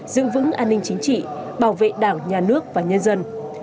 giữ vững an ninh chính trị bảo vệ đảng nhà nước và nhân dân